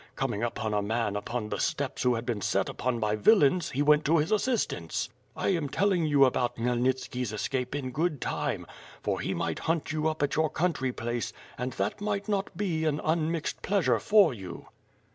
Coming upon a man upon the steppes who had been set upon by villains he went to his assistance. I am telling you about Khmyelnitski's escape in good time, for he might hunt you up at 3'our country place and that might not be an unmixed pleasure for you."